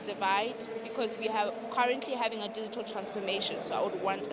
karena kami sedang mengalami perubahan digital jadi saya ingin memberi penyelenggaraan itu